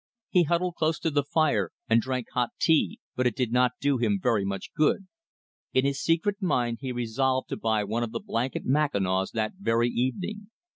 He huddled close to the fire, and drank hot tea, but it did not do him very much good. In his secret mind he resolved to buy one of the blanket mackinaws that very evening.